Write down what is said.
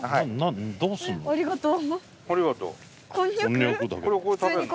ありがとう。